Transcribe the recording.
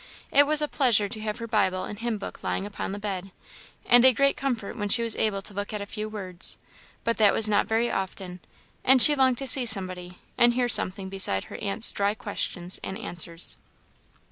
It was a pleasure to have her Bible and hymn book lying upon the bed, and a great comfort when she was able to look at a few words, but that was not very often, and she longed to see somebody, and hear something besides her aunt's dry questions and answers.